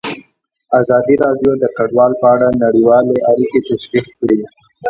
ازادي راډیو د کډوال په اړه نړیوالې اړیکې تشریح کړي.